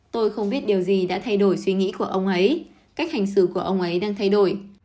tôi không biết điều gì đã thay đổi suy nghĩ của ông ấy cách hành xử của ông ấy đang thay đổi